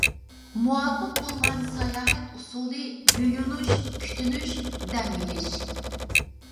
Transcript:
مۇۋاپىق بولغان ساياھەت ئۇسۇلى يۇيۇنۇش، كۈتۈنۈش، دەم ئېلىش.